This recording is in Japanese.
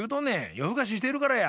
よふかししてるからや。